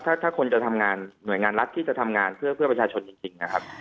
ถ้าคนจะทำงานหน่วยงานรัฐที่จะทำงานเพื่อประชาชนจริงนะครับ